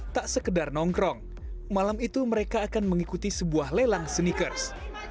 tak sekedar nongkrong malam itu mereka akan mengikuti sebuah lelang sneakers